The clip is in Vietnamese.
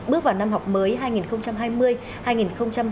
bước vào năm học mới hai nghìn hai mươi hai nghìn hai mươi một